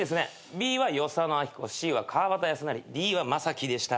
Ｂは与謝野晶子Ｃは川端康成Ｄはまさきでした。